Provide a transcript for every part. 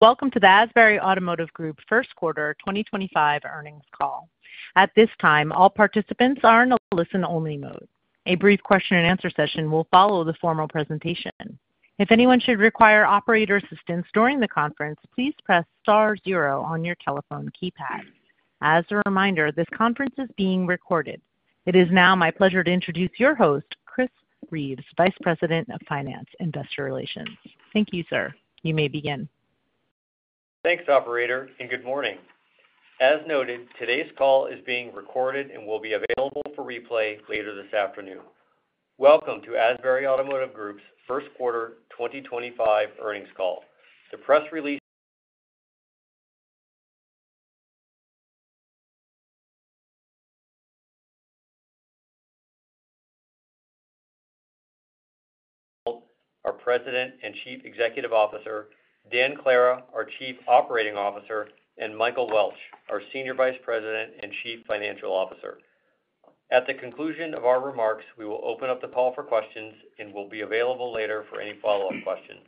Welcome to the Asbury Automotive Group First Quarter 2025 Earnings Call. At this time, all participants are in a listen-only mode. A brief question-and-answer session will follow the formal presentation. If anyone should require operator assistance during the conference, please press star zero on your telephone keypad. As a reminder, this conference is being recorded. It is now my pleasure to introduce your host, Chris Reeves, Vice President of Finance and Investor Relations. Thank you, sir. You may begin. Thanks, operator, and good morning. As noted, today's call is being recorded and will be available for replay later this afternoon. Welcome to Asbury Automotive Group's First Quarter 2025 Earnings Call. The press release, with us are David Hult, President and Chief Executive Officer Dan Clara, our Chief Operating Officer, and Michael Welch, our Senior Vice President and Chief Financial Officer. At the conclusion of our remarks, we will open up the call for questions and will be available later for any follow-up questions.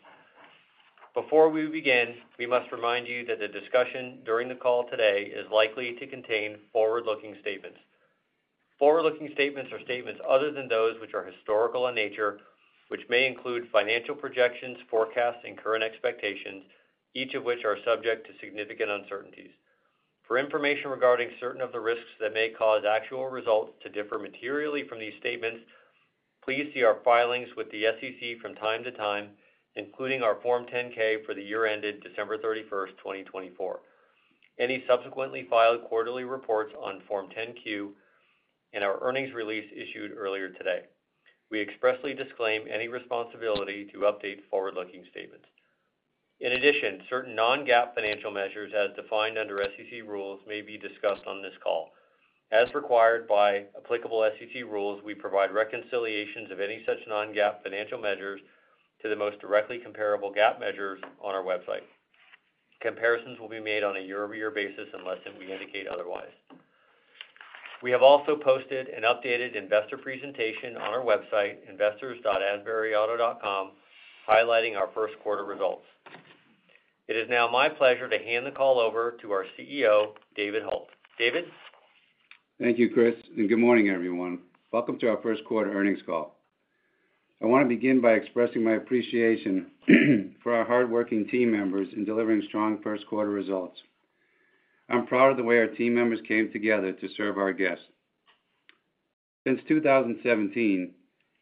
Before we begin, we must remind you that the discussion during the call today is likely to contain forward-looking statements. Forward-looking statements are statements other than those which are historical in nature, which may include financial projections, forecasts, and current expectations, each of which are subject to significant uncertainties. For information regarding certain of the risks that may cause actual results to differ materially from these statements, please see our filings with the SEC from time to time, including our Form 10-K for the year ended December 31, 2024, any subsequently filed quarterly reports on Form 10-Q, and our earnings release issued earlier today. We expressly disclaim any responsibility to update forward-looking statements. In addition, certain non-GAAP financial measures, as defined under SEC rules, may be discussed on this call. As required by applicable SEC rules, we provide reconciliations of any such non-GAAP financial measures to the most directly comparable GAAP measures on our website. Comparisons will be made on a year-over-year basis unless we indicate otherwise. We have also posted an updated investor presentation on our website, investors.asburyauto.com, highlighting our first quarter results. It is now my pleasure to hand the call over to our CEO, David Hult. David? Thank you, Chris, and good morning, everyone. Welcome to our first quarter earnings call. I want to begin by expressing my appreciation for our hardworking team members in delivering strong first quarter results. I'm proud of the way our team members came together to serve our guests. Since 2017,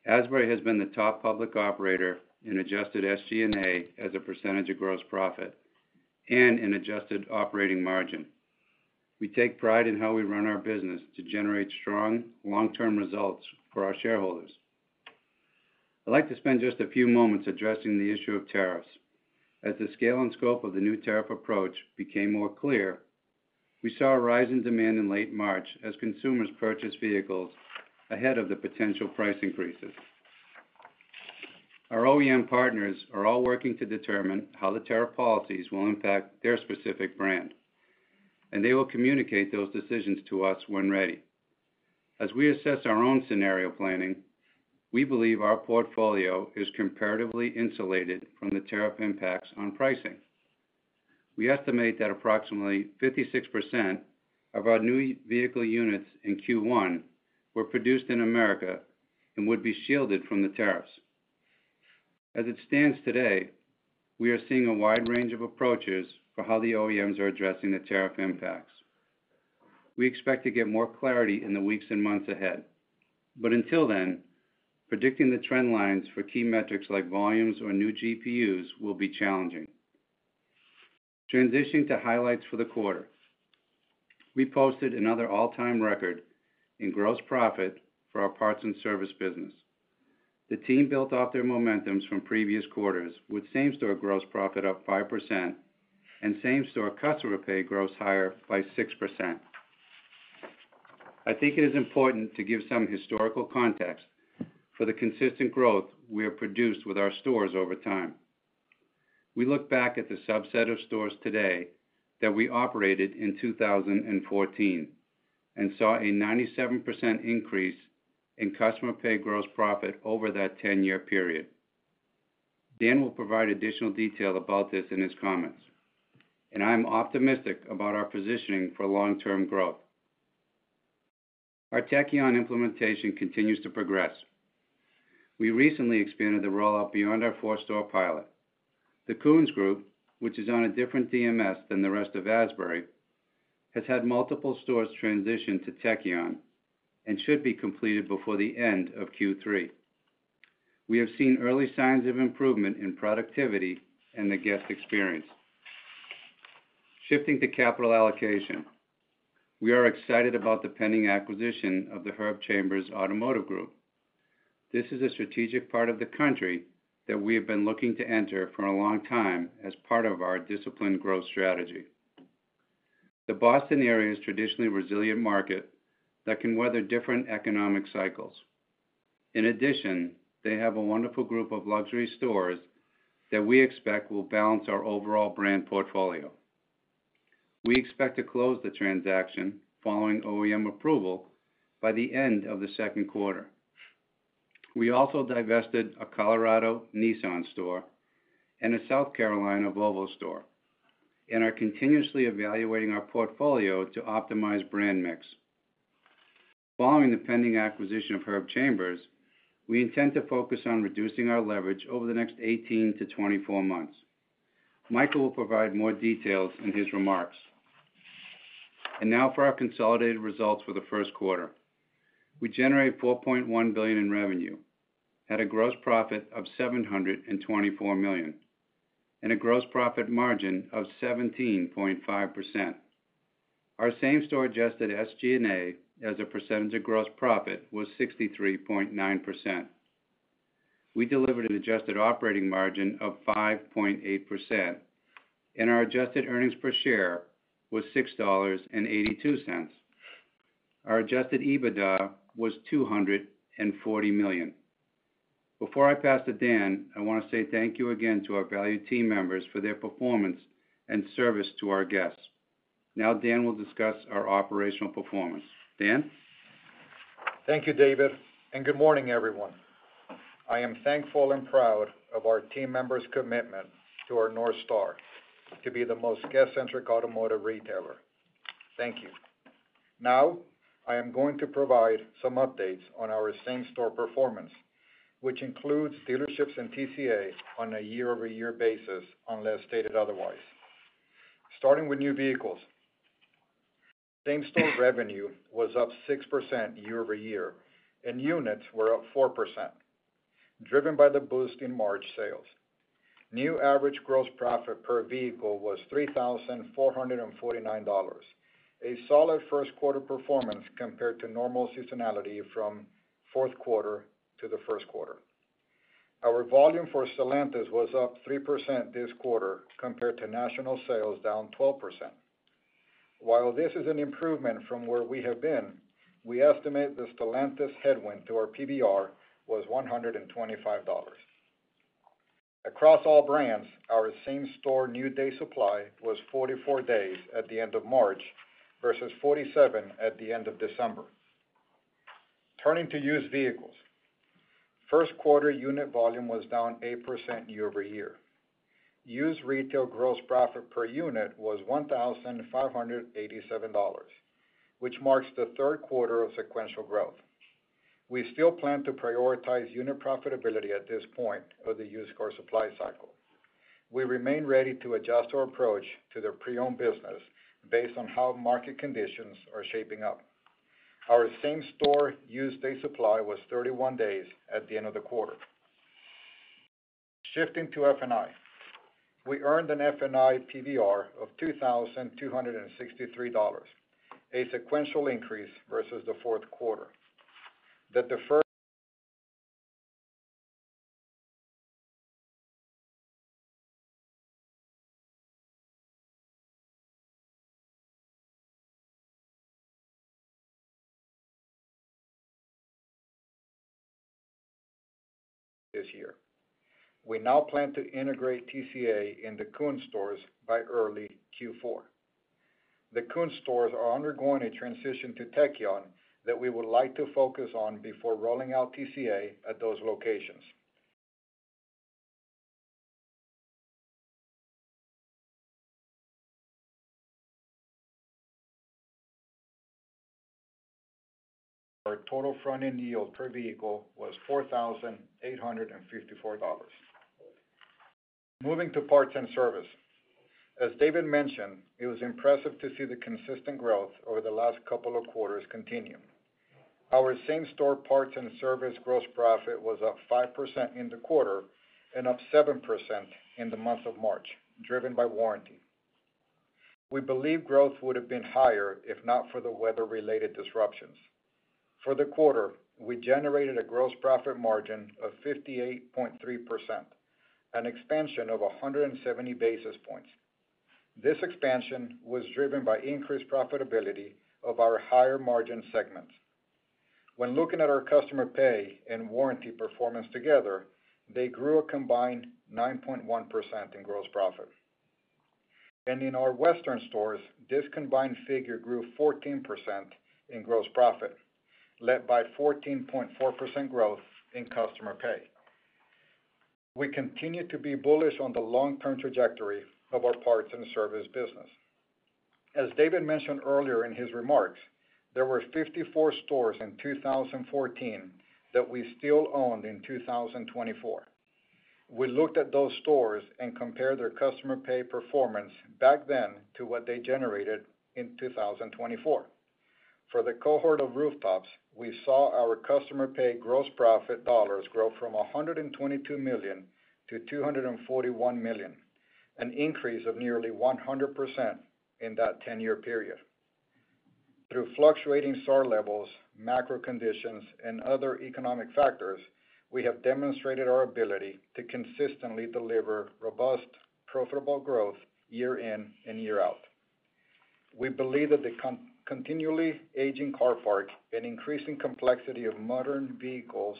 Asbury has been the top public operator in adjusted SG&A as a percentage of gross profit and in adjusted operating margin. We take pride in how we run our business to generate strong long-term results for our shareholders. I'd like to spend just a few moments addressing the issue of tariffs. As the scale and scope of the new tariff approach became more clear, we saw a rise in demand in late March as consumers purchased vehicles ahead of the potential price increases. Our OEM partners are all working to determine how the tariff policies will impact their specific brand, and they will communicate those decisions to us when ready. As we assess our own scenario planning, we believe our portfolio is comparatively insulated from the tariff impacts on pricing. We estimate that approximately 56% of our new vehicle units in Q1 were produced in America and would be shielded from the tariffs. As it stands today, we are seeing a wide range of approaches for how the OEMs are addressing the tariff impacts. We expect to get more clarity in the weeks and months ahead, but until then, predicting the trend lines for key metrics like volumes or new GPUs will be challenging. Transitioning to highlights for the quarter, we posted another all-time record in gross profit for our parts and service business. The team built off their momentums from previous quarters, with same-store gross profit up 5% and same-store customer pay gross higher by 6%. I think it is important to give some historical context for the consistent growth we have produced with our stores over time. We look back at the subset of stores today that we operated in 2014 and saw a 97% increase in customer pay gross profit over that 10-year period. Dan will provide additional detail about this in his comments, and I'm optimistic about our positioning for long-term growth. Our Tekion implementation continues to progress. We recently expanded the rollout beyond our four-store pilot. The Koons Group, which is on a different DMS than the rest of Asbury, has had multiple stores transition to Tekion and should be completed before the end of Q3. We have seen early signs of improvement in productivity and the guest experience. Shifting to capital allocation, we are excited about the pending acquisition of the Herb Chambers Automotive Group. This is a strategic part of the country that we have been looking to enter for a long time as part of our disciplined growth strategy. The Boston area is traditionally a resilient market that can weather different economic cycles. In addition, they have a wonderful group of luxury stores that we expect will balance our overall brand portfolio. We expect to close the transaction following OEM approval by the end of the second quarter. We also divested a Colorado Nissan store and a South Carolina Volvo store, and are continuously evaluating our portfolio to optimize brand mix. Following the pending acquisition of Herb Chambers, we intend to focus on reducing our leverage over the next 18 to 24 months. Michael will provide more details in his remarks. Now for our consolidated results for the first quarter. We generated $4.1 billion in revenue, had a gross profit of $724 million, and a gross profit margin of 17.5%. Our same-store adjusted SG&A as a percentage of gross profit was 63.9%. We delivered an adjusted operating margin of 5.8%, and our adjusted earnings per share was $6.82. Our adjusted EBITDA was $240 million. Before I pass to Dan, I want to say thank you again to our valued team members for their performance and service to our guests. Now Dan will discuss our operational performance. Dan? Thank you, David, and good morning, everyone. I am thankful and proud of our team members' commitment to our North Star to be the most guest-centric automotive retailer. Thank you. Now, I am going to provide some updates on our same-store performance, which includes dealerships and TCA on a year-over-year basis unless stated otherwise. Starting with new vehicles, same-store revenue was up 6% year-over-year, and units were up 4%, driven by the boost in March sales. New average gross profit per vehicle was $3,449, a solid first quarter performance compared to normal seasonality from fourth quarter to the first quarter. Our volume for Stellantis was up 3% this quarter compared to national sales, down 12%. While this is an improvement from where we have been, we estimate the Stellantis headwind to our PVR was $125. Across all brands, our same-store new day supply was 44 days at the end of March versus 47 at the end of December. Turning to used vehicles, first quarter unit volume was down 8% year-over-year. Used retail gross profit per unit was $1,587, which marks the third quarter of sequential growth. We still plan to prioritize unit profitability at this point of the used car supply cycle. We remain ready to adjust our approach to the pre-owned business based on how market conditions are shaping up. Our same-store used day supply was 31 days at the end of the quarter. Shifting to F&I, we earned an F&I PVR of $2,263, a sequential increase versus the fourth quarter. That the first this year. We now plan to integrate TCA in the Koons stores by early Q4. The Koons stores are undergoing a transition to Tekion that we would like to focus on before rolling out TCA at those locations. Our total front-end yield per vehicle was $4,854. Moving to parts and service. As David mentioned, it was impressive to see the consistent growth over the last couple of quarters continue. Our same-store parts and service gross profit was up 5% in the quarter and up 7% in the month of March, driven by warranty. We believe growth would have been higher if not for the weather-related disruptions. For the quarter, we generated a gross profit margin of 58.3%, an expansion of 170 basis points. This expansion was driven by increased profitability of our higher margin segments. When looking at our customer pay and warranty performance together, they grew a combined 9.1% in gross profit. In our Western stores, this combined figure grew 14% in gross profit, led by 14.4% growth in customer pay. We continue to be bullish on the long-term trajectory of our parts and service business. As David mentioned earlier in his remarks, there were 54 stores in 2014 that we still owned in 2024. We looked at those stores and compared their customer pay performance back then to what they generated in 2024. For the cohort of rooftops, we saw our customer pay gross profit dollars grow from $122 million to $241 million, an increase of nearly 100% in that 10-year period. Through fluctuating store levels, macro conditions, and other economic factors, we have demonstrated our ability to consistently deliver robust, profitable growth year in and year out. We believe that the continually aging car parts and increasing complexity of modern vehicles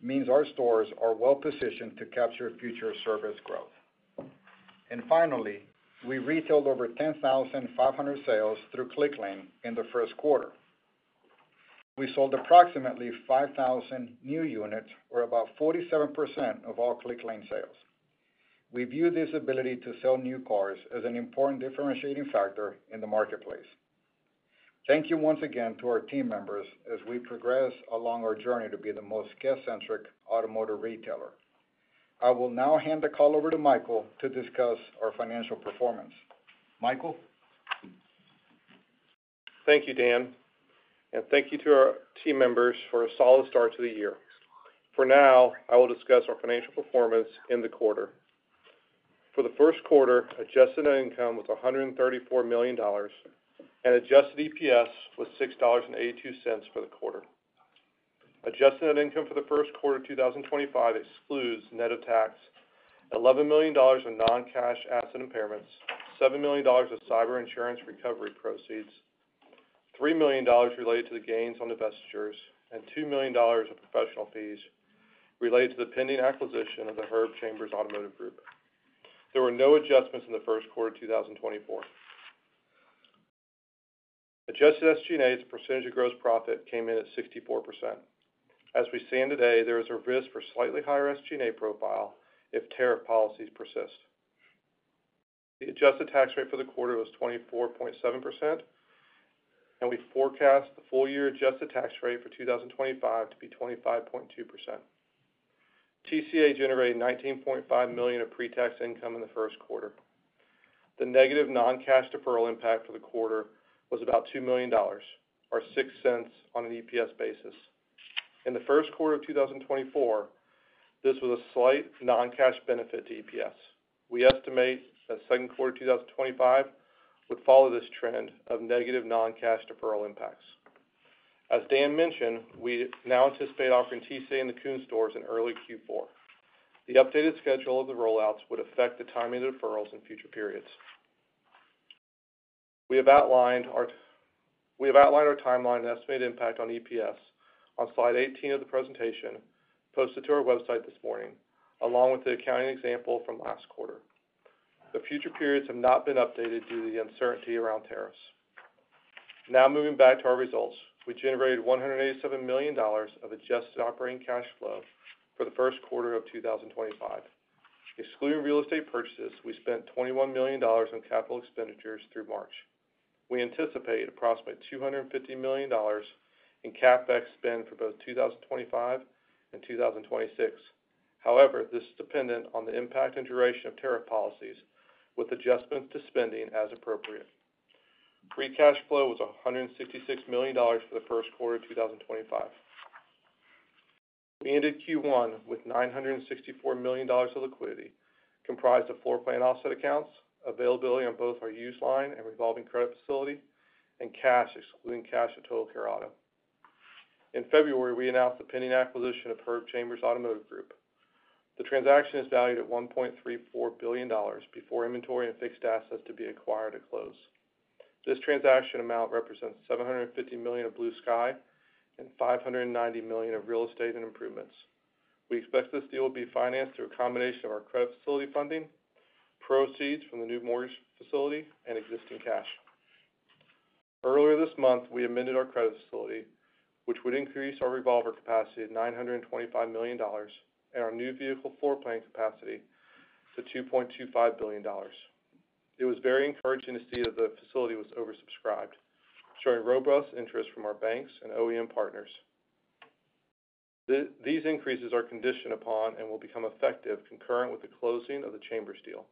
means our stores are well-positioned to capture future service growth. Finally, we retailed over 10,500 sales through Clicklane in the first quarter. We sold approximately 5,000 new units, or about 47% of all Clicklane sales. We view this ability to sell new cars as an important differentiating factor in the marketplace. Thank you once again to our team members as we progress along our journey to be the most guest-centric automotive retailer. I will now hand the call over to Michael to discuss our financial performance. Michael. Thank you, Dan. Thank you to our team members for a solid start to the year. For now, I will discuss our financial performance in the quarter. For the first quarter, adjusted net income was $134 million, and adjusted EPS was $6.82 for the quarter. Adjusted net income for the first quarter of 2025 excludes, net of tax, $11 million of non-cash asset impairments, $7 million of cyber insurance recovery proceeds, $3 million related to the gains on the divestures, and $2 million of professional fees related to the pending acquisition of the Herb Chambers Automotive Group. There were no adjustments in the first quarter of 2024. Adjusted SG&A's percentage of gross profit came in at 64%. As we stand today, there is a risk for a slightly higher SG&A profile if tariff policies persist. The adjusted tax rate for the quarter was 24.7%, and we forecast the full-year adjusted tax rate for 2025 to be 25.2%. TCA generated $19.5 million of pre-tax income in the first quarter. The negative non-cash deferral impact for the quarter was about $2 million, or $0.06 on an EPS basis. In the first quarter of 2024, this was a slight non-cash benefit to EPS. We estimate that second quarter of 2025 would follow this trend of negative non-cash deferral impacts. As Dan mentioned, we now anticipate offering TCA in the Koons stores in early Q4. The updated schedule of the rollouts would affect the timing of deferrals in future periods. We have outlined our timeline and estimated impact on EPS on slide 18 of the presentation posted to our website this morning, along with the accounting example from last quarter. The future periods have not been updated due to the uncertainty around tariffs. Now moving back to our results, we generated $187 million of adjusted operating cash flow for the first quarter of 2025. Excluding real estate purchases, we spent $21 million on capital expenditures through March. We anticipate approximately $250 million in CapEx spend for both 2025 and 2026. However, this is dependent on the impact and duration of tariff policies, with adjustments to spending as appropriate. Free cash flow was $166 million for the first quarter of 2025. We ended Q1 with $964 million of liquidity comprised of floor plan offset accounts, availability on both our used line and revolving credit facility, and cash, excluding cash at Total Care Auto. In February, we announced the pending acquisition of Herb Chambers Automotive Group. The transaction is valued at $1.34 billion before inventory and fixed assets to be acquired at close. This transaction amount represents $750 million of blue sky and $590 million of real estate and improvements. We expect this deal will be financed through a combination of our credit facility funding, proceeds from the new mortgage facility, and existing cash. Earlier this month, we amended our credit facility, which would increase our revolver capacity to $925 million and our new vehicle floor plan capacity to $2.25 billion. It was very encouraging to see that the facility was oversubscribed, showing robust interest from our banks and OEM partners. These increases are conditioned upon and will become effective concurrent with the closing of the Chambers deal.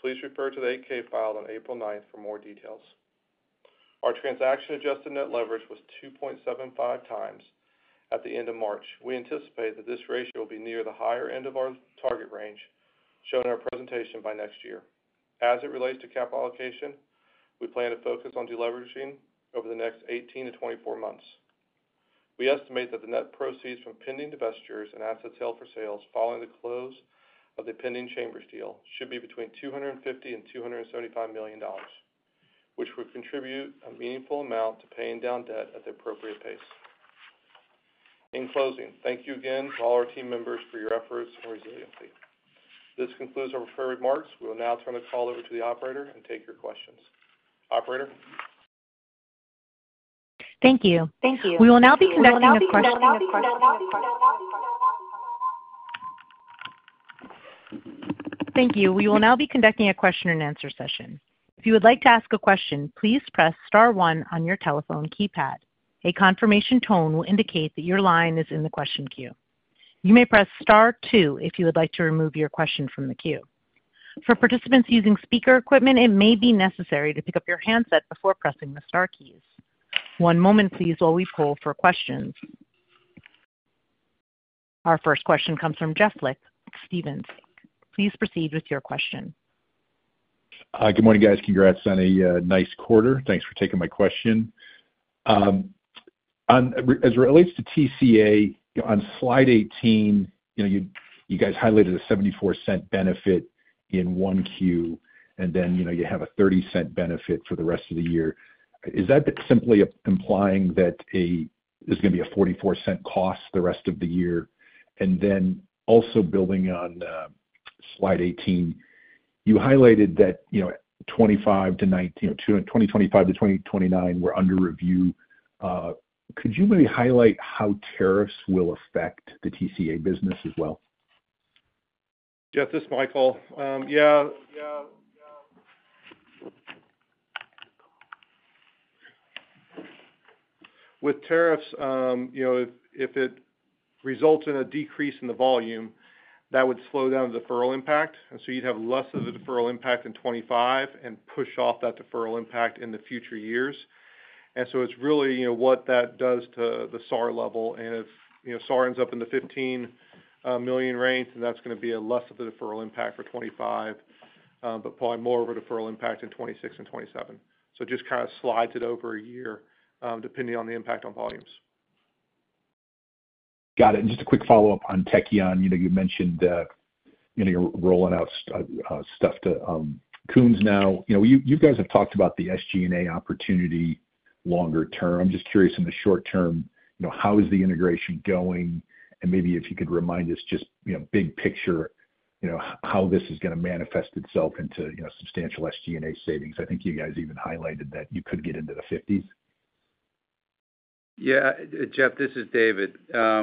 Please refer to the 8-K filed on April 9th for more details. Our transaction adjusted net leverage was 2.75 times at the end of March. We anticipate that this ratio will be near the higher end of our target range, shown in our presentation by next year. As it relates to capital allocation, we plan to focus on deleveraging over the next 18 to 24 months. We estimate that the net proceeds from pending divestitures and assets held for sale following the close of the pending Chambers deal should be between $250 million and $275 million, which would contribute a meaningful amount to paying down debt at the appropriate pace. In closing, thank you again to all our team members for your efforts and resiliency. This concludes our prepared remarks. We will now turn the call over to the operator and take your questions. Operator. Thank you. Thank you. We will now be conducting a question and answer session. Thank you. We will now be conducting a question and answer session. If you would like to ask a question, please press Star 1 on your telephone keypad. A confirmation tone will indicate that your line is in the question queue. You may press Star 2 if you would like to remove your question from the queue. For participants using speaker equipment, it may be necessary to pick up your handset before pressing the Star keys. One moment, please, while we poll for questions. Our first question comes from Jeff Lick, Stephens. Please proceed with your question. Hi, good morning, guys. Congrats on a nice quarter. Thanks for taking my question. As it relates to TCA, on slide 18, you guys highlighted a $0.74 benefit in one Q, and then you have a $0.30 benefit for the rest of the year. Is that simply implying that it's going to be a $0.44 cost the rest of the year? Also, building on slide 18, you highlighted that 2025 to 2029 were under review. Could you maybe highlight how tariffs will affect the TCA business as well? Jeff, this is Michael. With tariffs, if it results in a decrease in the volume, that would slow down the deferral impact. You'd have less of the deferral impact in 2025 and push off that deferral impact in the future years. It is really what that does to the SAR level. If SAR ends up in the 15 million range, then that is going to be less of the deferral impact for 2025, but probably more of a deferral impact in 2026 and 2027. It just kind of slides it over a year depending on the impact on volumes. Got it. Just a quick follow-up on Tekion. You mentioned you're rolling out stuff to Koons now. You guys have talked about the SG&A opportunity longer term. I'm just curious, in the short term, how is the integration going? Maybe if you could remind us just big picture how this is going to manifest itself into substantial SG&A savings. I think you guys even highlighted that you could get into the 50s. Yeah. Jeff, this is David. The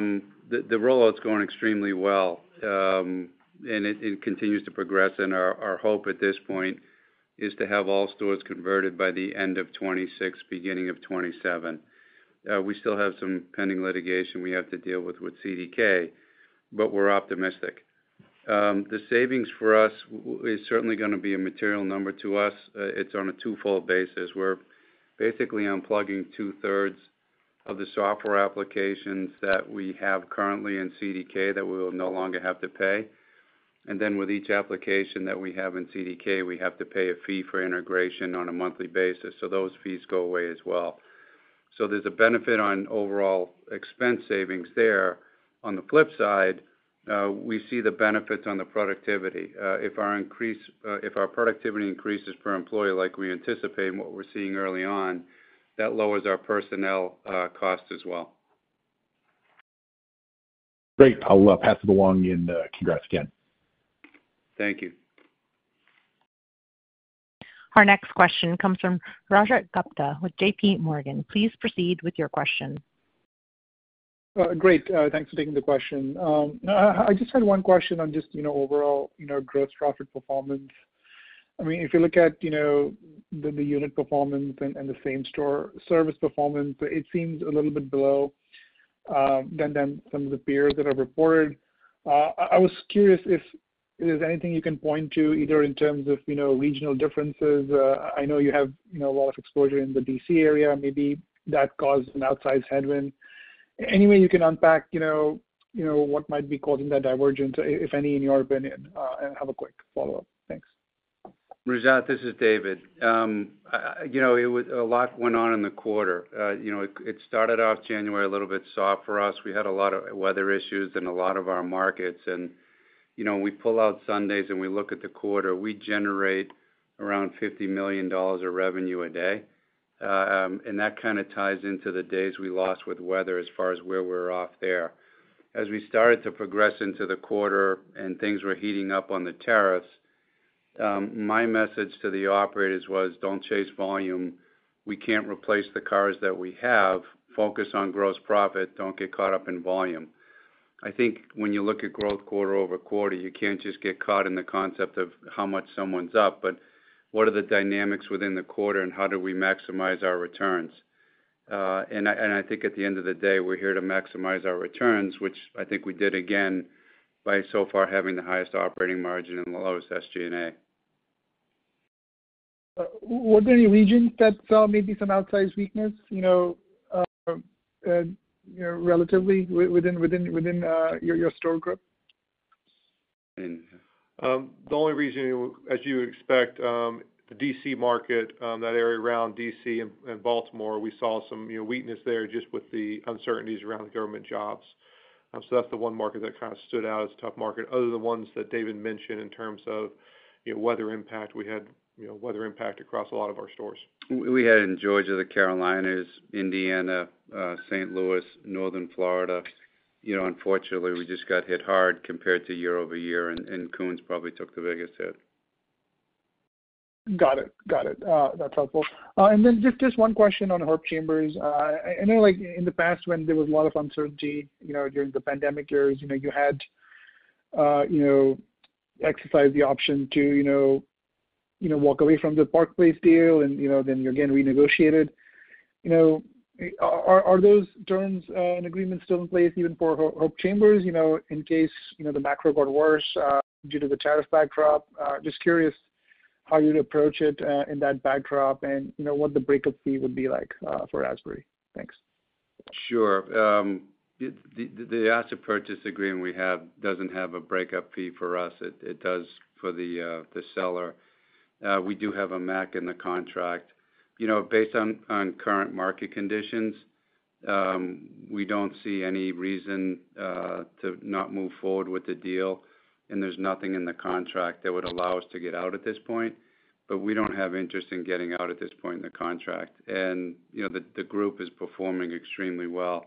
rollout's going extremely well, and it continues to progress. Our hope at this point is to have all stores converted by the end of 2026, beginning of 2027. We still have some pending litigation we have to deal with with CDK, but we're optimistic. The savings for us is certainly going to be a material number to us. It's on a twofold basis. We're basically unplugging two-thirds of the software applications that we have currently in CDK that we will no longer have to pay. With each application that we have in CDK, we have to pay a fee for integration on a monthly basis. Those fees go away as well. There's a benefit on overall expense savings there. On the flip side, we see the benefits on the productivity. If our productivity increases per employee like we anticipate and what we're seeing early on, that lowers our personnel cost as well. Great. I'll pass it along and congrats again. Thank you. Our next question comes from Rajat Gupta with JP Morgan. Please proceed with your question. Great. Thanks for taking the question. I just had one question on just overall gross profit performance. I mean, if you look at the unit performance and the same-store service performance, it seems a little bit below than some of the peers that have reported. I was curious if there's anything you can point to, either in terms of regional differences. I know you have a lot of exposure in the D.C. area. Maybe that caused an outsized headwind. Any way you can unpack what might be causing that divergence, if any, in your opinion, and have a quick follow-up. Thanks. Rajat, this is David. A lot went on in the quarter. It started off January a little bit soft for us. We had a lot of weather issues in a lot of our markets. We pull out Sundays and we look at the quarter. We generate around $50 million of revenue a day. That kind of ties into the days we lost with weather as far as where we're off there. As we started to progress into the quarter and things were heating up on the tariffs, my message to the operators was, "Don't chase volume. We can't replace the cars that we have. Focus on gross profit. Don't get caught up in volume." I think when you look at growth quarter over quarter, you can't just get caught in the concept of how much someone's up, but what are the dynamics within the quarter, and how do we maximize our returns? I think at the end of the day, we're here to maximize our returns, which I think we did again by so far having the highest operating margin and the lowest SG&A. Were there any regions that saw maybe some outsized weakness relatively within your store group? The only region, as you expect, the D.C. market, that area around D.C. and Baltimore, we saw some weakness there just with the uncertainties around government jobs. That's the one market that kind of stood out as a tough market. Other than the ones that David mentioned in terms of weather impact, we had weather impact across a lot of our stores. We had in Georgia, the Carolinas, Indiana, St. Louis, northern Florida. Unfortunately, we just got hit hard compared to year-over-year, and Koons probably took the biggest hit. Got it. Got it. That's helpful. Just one question on Herb Chambers. I know in the past, when there was a lot of uncertainty during the pandemic years, you had exercised the option to walk away from the park-based deal, and you again renegotiated. Are those terms and agreements still in place even for Herb Chambers in case the macro got worse due to the tariff backdrop? Just curious how you'd approach it in that backdrop and what the breakup fee would be like for Herb Chambers. Thanks. Sure. The asset purchase agreement we have does not have a breakup fee for us. It does for the seller. We do have a MAC in the contract. Based on current market conditions, we do not see any reason to not move forward with the deal, and there is nothing in the contract that would allow us to get out at this point. We do not have interest in getting out at this point in the contract. The group is performing extremely well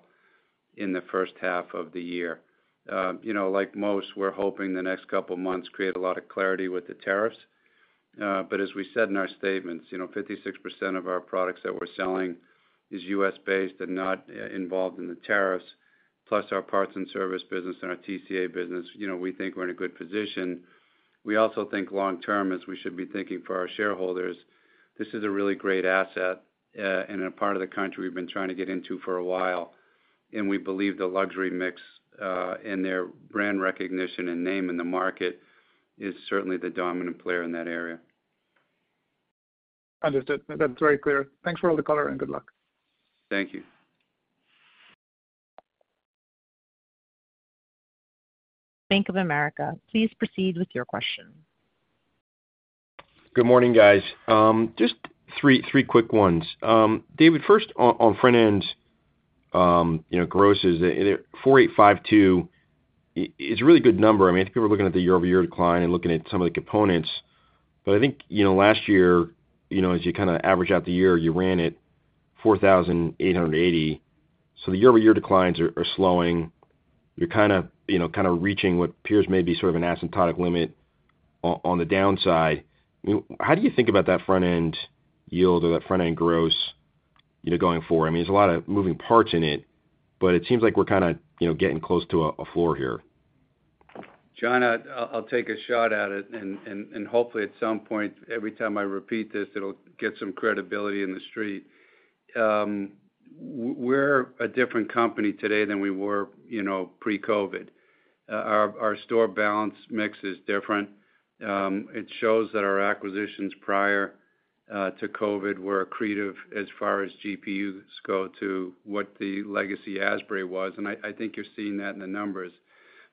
in the first half of the year. Like most, we are hoping the next couple of months create a lot of clarity with the tariffs. As we said in our statements, 56% of our products that we are selling is U.S.-based and not involved in the tariffs. Plus our parts and service business and our TCA business, we think we are in a good position. We also think long-term as we should be thinking for our shareholders, this is a really great asset and a part of the country we've been trying to get into for a while. We believe the luxury mix and their brand recognition and name in the market is certainly the dominant player in that area. Understood. That's very clear. Thanks for all the color and good luck. Thank you. Bank of America. Please proceed with your question. Good morning, guys. Just three quick ones. David, first on front-end grosses, 4,852 is a really good number. I mean, I think we're looking at the year-over-year decline and looking at some of the components. I think last year, as you kind of average out the year, you ran at 4,880. The year-over-year declines are slowing. You're kind of reaching what appears maybe sort of an asymptotic limit on the downside. How do you think about that front-end yield or that front-end gross going forward? I mean, there's a lot of moving parts in it, but it seems like we're kind of getting close to a floor here. John, I'll take a shot at it. Hopefully, at some point, every time I repeat this, it'll get some credibility in the street. We're a different company today than we were pre-COVID. Our store balance mix is different. It shows that our acquisitions prior to COVID were accretive as far as GPUs go to what the legacy Asbury was. I think you're seeing that in the numbers.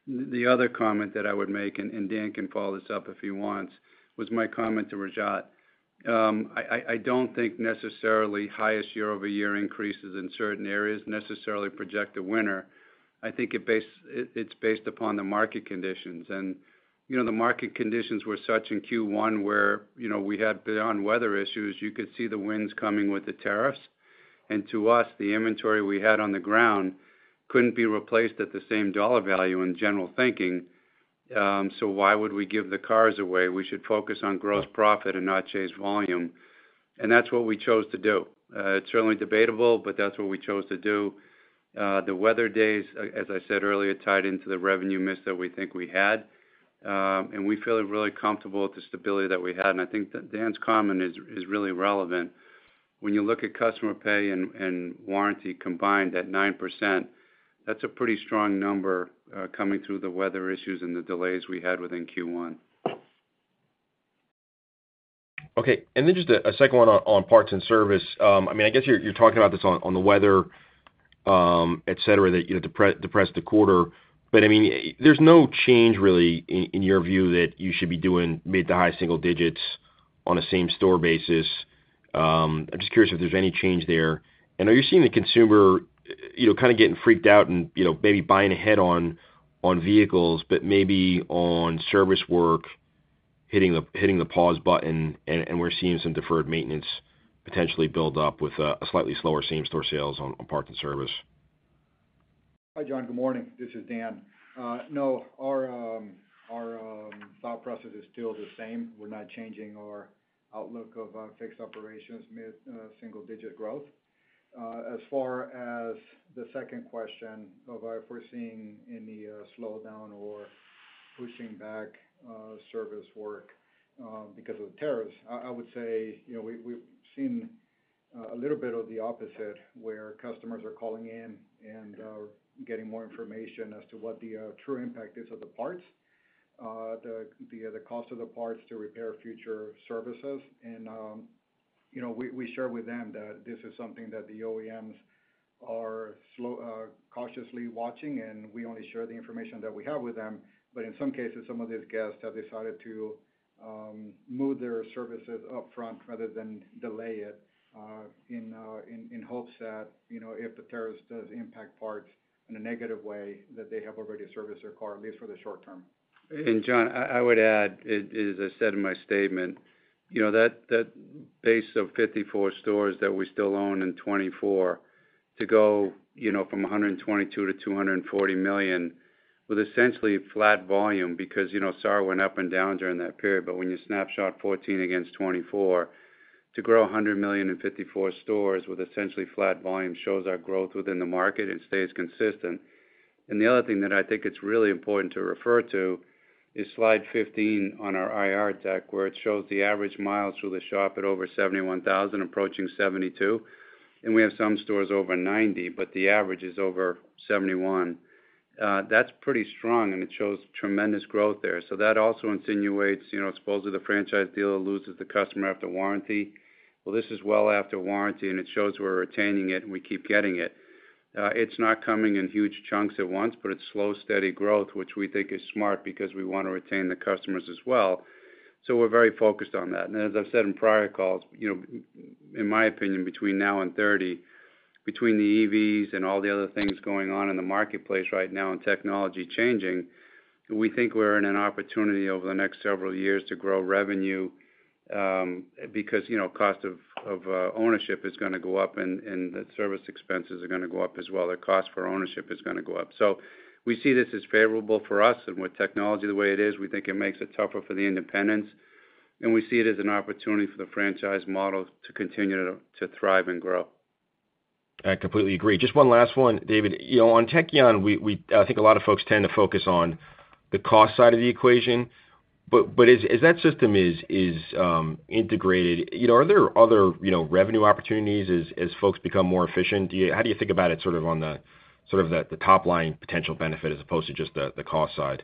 The other comment that I would make, and Dan can follow this up if he wants, was my comment to Rajat. I don't think necessarily highest year-over-year increases in certain areas necessarily project a winner. I think it's based upon the market conditions. The market conditions were such in Q1 where we had beyond weather issues. You could see the winds coming with the tariffs. To us, the inventory we had on the ground could not be replaced at the same dollar value in general thinking. Why would we give the cars away? We should focus on gross profit and not chase volume. That is what we chose to do. It is certainly debatable, but that is what we chose to do. The weather days, as I said earlier, tied into the revenue miss that we think we had. We feel really comfortable with the stability that we had. I think Dan's comment is really relevant. When you look at customer pay and warranty combined at 9%, that is a pretty strong number coming through the weather issues and the delays we had within Q1. Okay. And then just a second one on parts and service. I mean, I guess you're talking about this on the weather, etc., that depressed the quarter. I mean, there's no change really in your view that you should be doing mid to high single digits on a same-store basis. I'm just curious if there's any change there. Are you seeing the consumer kind of getting freaked out and maybe buying ahead on vehicles, but maybe on service work hitting the pause button? We're seeing some deferred maintenance potentially build up with a slightly slower same-store sales on parts and service. Hi, John. Good morning. This is Dan. No, our thought process is still the same. We're not changing our outlook of fixed operations, mid-single-digit growth. As far as the second question of if we're seeing any slowdown or pushing back service work because of the tariffs, I would say we've seen a little bit of the opposite where customers are calling in and getting more information as to what the true impact is of the parts, the cost of the parts to repair future services. We share with them that this is something that the OEMs are cautiously watching, and we only share the information that we have with them. In some cases, some of these guests have decided to move their services upfront rather than delay it in hopes that if the tariffs do impact parts in a negative way, that they have already serviced their car, at least for the short term. John, I would add, as I said in my statement, that base of 54 stores that we still own and 24 to go from 122 to $240 million with essentially flat volume because SAR went up and down during that period. When you snapshot 14 against 24 to grow $100 million in 54 stores with essentially flat volume shows our growth within the market and stays consistent. The other thing that I think is really important to refer to is slide 15 on our IR deck where it shows the average miles through the shop at over 71,000, approaching 72,000. We have some stores over 90,000, but the average is over 71,000. That is pretty strong, and it shows tremendous growth there. That also insinuates supposedly the franchise dealer loses the customer after warranty. This is well after warranty, and it shows we're retaining it and we keep getting it. It's not coming in huge chunks at once, but it's slow, steady growth, which we think is smart because we want to retain the customers as well. We are very focused on that. As I've said in prior calls, in my opinion, between now and 2030, between the EVs and all the other things going on in the marketplace right now and technology changing, we think we're in an opportunity over the next several years to grow revenue because cost of ownership is going to go up and the service expenses are going to go up as well. The cost for ownership is going to go up. We see this as favorable for us. With technology the way it is, we think it makes it tougher for the independents. We see it as an opportunity for the franchise model to continue to thrive and grow. I completely agree. Just one last one, David. On Tekion, I think a lot of folks tend to focus on the cost side of the equation. But as that system is integrated, are there other revenue opportunities as folks become more efficient? How do you think about it sort of on the top-line potential benefit as opposed to just the cost side?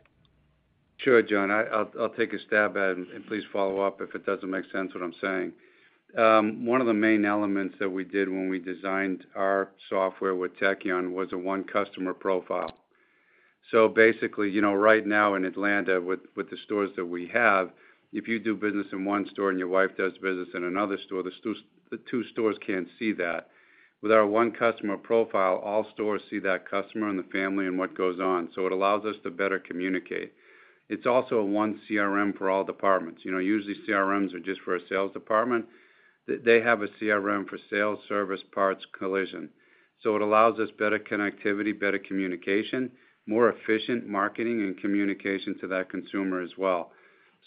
Sure, John. I'll take a stab at it, and please follow up if it doesn't make sense what I'm saying. One of the main elements that we did when we designed our software with Tekion was a one-customer profile. Basically, right now in Atlanta, with the stores that we have, if you do business in one store and your wife does business in another store, the two stores can't see that. With our one-customer profile, all stores see that customer and the family and what goes on. It allows us to better communicate. It's also a one CRM for all departments. Usually, CRMs are just for a sales department. They have a CRM for sales, service, parts, collision. It allows us better connectivity, better communication, more efficient marketing and communication to that consumer as well.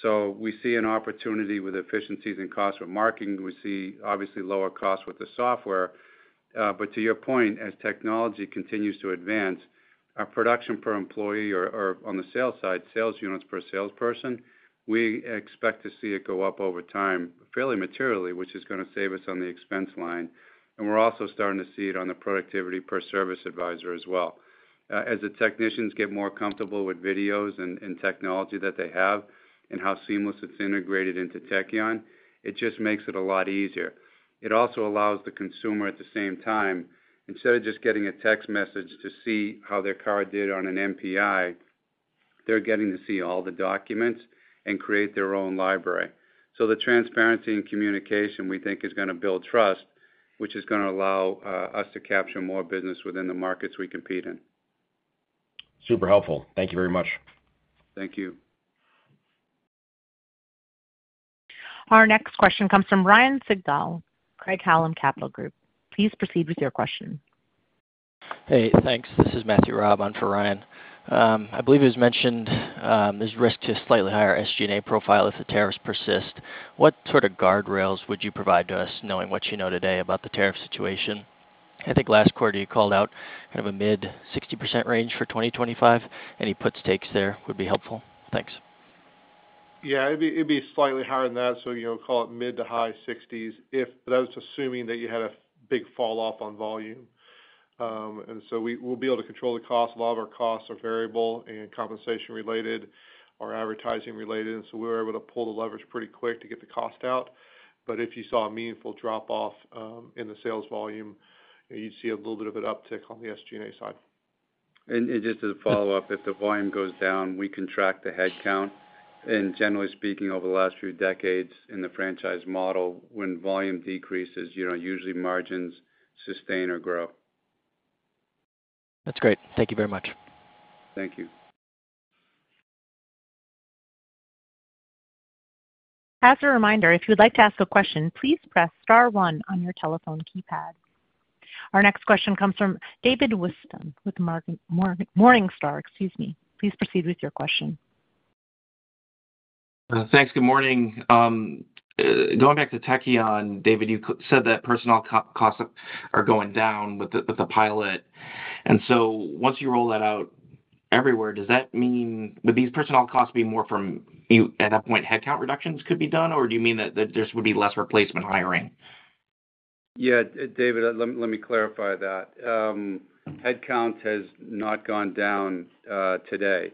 We see an opportunity with efficiencies and costs with marketing. We see obviously lower costs with the software. To your point, as technology continues to advance, our production per employee or on the sales side, sales units per salesperson, we expect to see it go up over time fairly materially, which is going to save us on the expense line. We are also starting to see it on the productivity per service advisor as well. As the technicians get more comfortable with videos and technology that they have and how seamless it is integrated into Tekion, it just makes it a lot easier. It also allows the consumer at the same time, instead of just getting a text message to see how their car did on an MPI, they are getting to see all the documents and create their own library. The transparency and communication, we think, is going to build trust, which is going to allow us to capture more business within the markets we compete in. Super helpful. Thank you very much. Thank you. Our next question comes from Ryan Sigdahl, Craig-Hallum Capital Group. Please proceed with your question. Hey, thanks. This is Matthew Raab on for Ryan. I believe it was mentioned there's risk to a slightly higher SG&A profile if the tariffs persist. What sort of guardrails would you provide to us knowing what you know today about the tariff situation? I think last quarter, you called out kind of a mid 60% range for 2025. Any puts takes there would be helpful. Thanks. Yeah, it'd be slightly higher than that. Call it mid to high 60s if that's assuming that you had a big falloff on volume. We will be able to control the cost. A lot of our costs are variable and compensation-related or advertising-related. We were able to pull the leverage pretty quick to get the cost out. If you saw a meaningful drop-off in the sales volume, you'd see a little bit of an uptick on the SG&A side. Just to follow up, if the volume goes down, we can track the headcount. Generally speaking, over the last few decades in the franchise model, when volume decreases, usually margins sustain or grow. That's great. Thank you very much. Thank you. As a reminder, if you'd like to ask a question, please press star one on your telephone keypad. Our next question comes from David Whiston with Morningstar. Excuse me. Please proceed with your question. Thanks. Good morning. Going back to Tekion, David, you said that personnel costs are going down with the pilot. And so once you roll that out everywhere, does that mean would these personnel costs be more from at that point, headcount reductions could be done, or do you mean that there would be less replacement hiring? Yeah, David, let me clarify that. Headcount has not gone down today.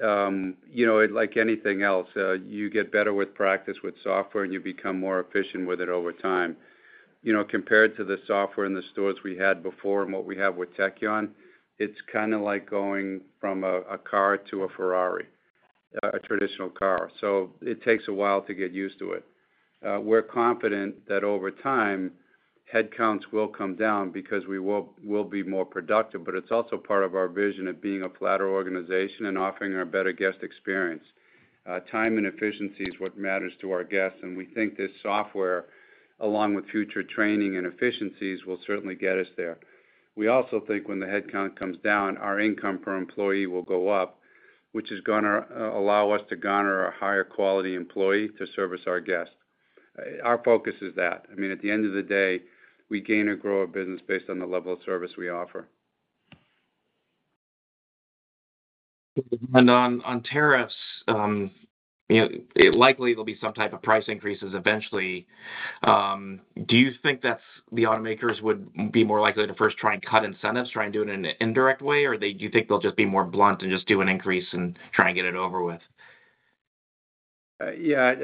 Like anything else, you get better with practice with software, and you become more efficient with it over time. Compared to the software and the stores we had before and what we have with Tekion, it's kind of like going from a car to a Ferrari, a traditional car. It takes a while to get used to it. We're confident that over time, headcounts will come down because we will be more productive. It is also part of our vision of being a flatter organization and offering our better guest experience. Time and efficiency is what matters to our guests. We think this software, along with future training and efficiencies, will certainly get us there. We also think when the headcount comes down, our income per employee will go up, which is going to allow us to garner a higher quality employee to service our guests. Our focus is that. I mean, at the end of the day, we gain or grow our business based on the level of service we offer. On tariffs, likely there'll be some type of price increases eventually. Do you think that the automakers would be more likely to first try and cut incentives, try and do it in an indirect way, or do you think they'll just be more blunt and just do an increase and try and get it over with? Yeah,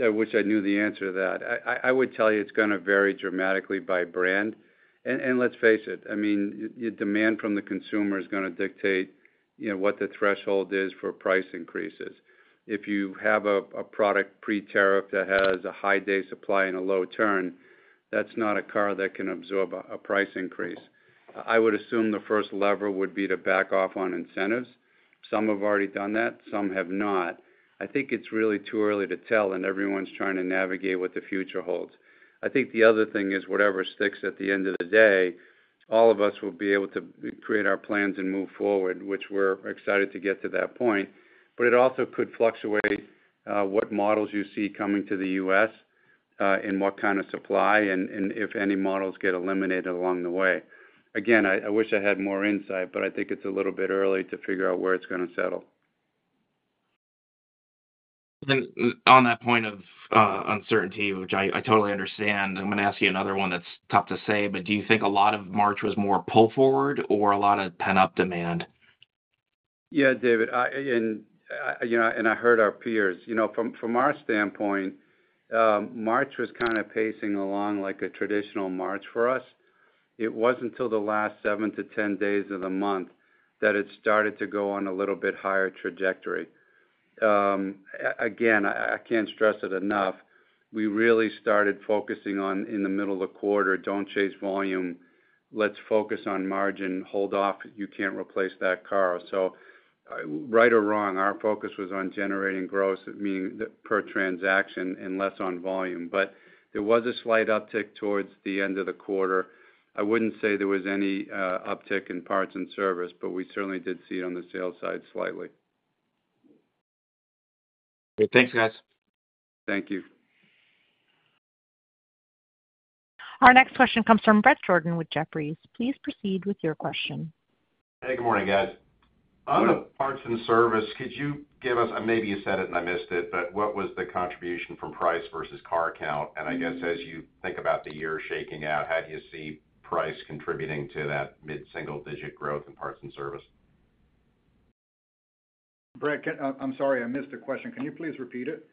I wish I knew the answer to that. I would tell you it's going to vary dramatically by brand. And let's face it, I mean, your demand from the consumer is going to dictate what the threshold is for price increases. If you have a product pre-tariff that has a high-day supply and a low turn, that's not a car that can absorb a price increase. I would assume the first lever would be to back off on incentives. Some have already done that. Some have not. I think it's really too early to tell, and everyone's trying to navigate what the future holds. I think the other thing is whatever sticks at the end of the day, all of us will be able to create our plans and move forward, which we're excited to get to that point. It also could fluctuate what models you see coming to the U.S. and what kind of supply and if any models get eliminated along the way. Again, I wish I had more insight, but I think it's a little bit early to figure out where it's going to settle. On that point of uncertainty, which I totally understand, I'm going to ask you another one that's tough to say, but do you think a lot of March was more pull forward or a lot of pent-up demand? Yeah, David. I heard our peers. From our standpoint, March was kind of pacing along like a traditional March for us. It was not until the last 7 to 10 days of the month that it started to go on a little bit higher trajectory. Again, I cannot stress it enough. We really started focusing on in the middle of the quarter, do not chase volume. Let us focus on margin. Hold off. You cannot replace that car. So right or wrong, our focus was on generating growth, meaning per transaction and less on volume. There was a slight uptick towards the end of the quarter. I would not say there was any uptick in parts and service, but we certainly did see it on the sales side slightly. Okay. Thanks, guys. Thank you. Our next question comes from Bret Jordan with Jefferies. Please proceed with your question. Hey, good morning, guys. On the parts and service, could you give us—and maybe you said it and I missed it—but what was the contribution from price versus car count? I guess as you think about the year shaking out, how do you see price contributing to that mid-single digit growth in parts and service? Bret, I'm sorry, I missed a question. Can you please repeat it?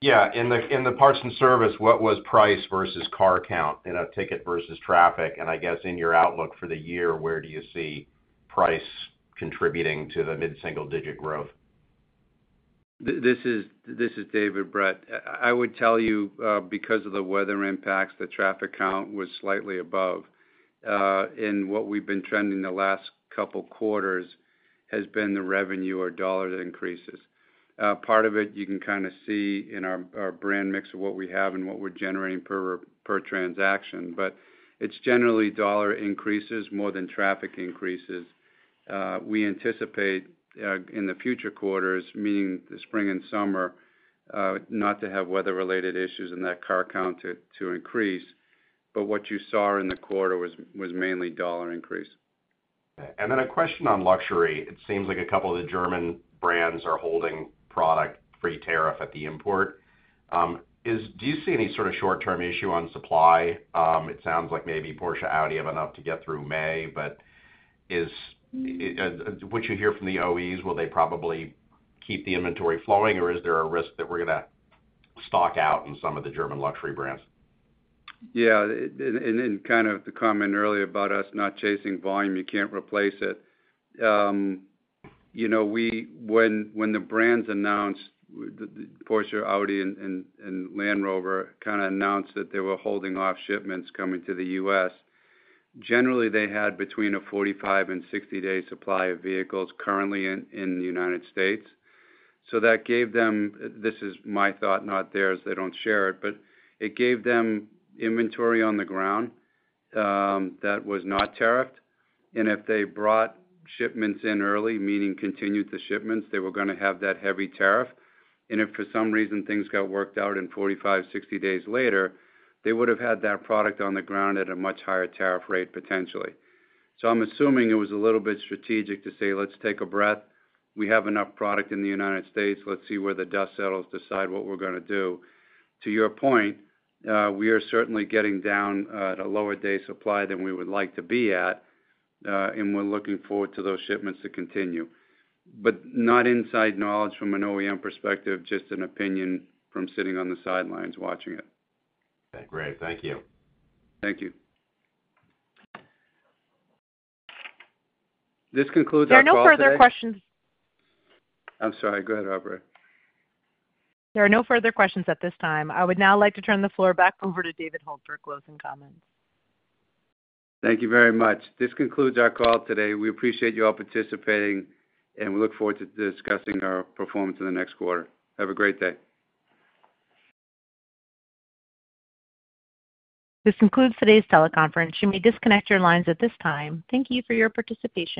Yeah. In the parts and service, what was price versus car count in a ticket versus traffic? I guess in your outlook for the year, where do you see price contributing to the mid-single digit growth? This is David, Brett. I would tell you because of the weather impacts, the traffic count was slightly above. What we've been trending the last couple of quarters has been the revenue or dollar increases. Part of it you can kind of see in our brand mix of what we have and what we're generating per transaction. It is generally dollar increases more than traffic increases. We anticipate in the future quarters, meaning the spring and summer, not to have weather-related issues and that car count to increase. What you saw in the quarter was mainly dollar increase. A question on luxury. It seems like a couple of the German brands are holding product free tariff at the import. Do you see any sort of short-term issue on supply? It sounds like maybe Porsche, Audi have enough to get through May. What you hear from the OEs, will they probably keep the inventory flowing, or is there a risk that we're going to stock out in some of the German luxury brands? Yeah. Kind of the comment earlier about us not chasing volume, you can't replace it. When the brands announced—Porsche, Audi, and Land Rover kind of announced that they were holding off shipments coming to the U.S.—generally, they had between a 45-60 day supply of vehicles currently in the United States. That gave them—this is my thought, not theirs. They don't share it. It gave them inventory on the ground that was not tariffed. If they brought shipments in early, meaning continued the shipments, they were going to have that heavy tariff. If for some reason things got worked out and 45, 60 days later, they would have had that product on the ground at a much higher tariff rate potentially. I'm assuming it was a little bit strategic to say, "Let's take a breath. We have enough product in the United States." Let's see where the dust settles to decide what we're going to do. To your point, we are certainly getting down at a lower day supply than we would like to be at. We are looking forward to those shipments to continue. Not inside knowledge from an OEM perspective, just an opinion from sitting on the sidelines watching it. Okay. Great. Thank you. Thank you. This concludes our call. There are no further questions. I'm sorry. Go ahead, Aubrey. There are no further questions at this time. I would now like to turn the floor back over to David Hult for closing comments. Thank you very much. This concludes our call today. We appreciate you all participating, and we look forward to discussing our performance in the next quarter. Have a great day. This concludes today's teleconference. You may disconnect your lines at this time. Thank you for your participation.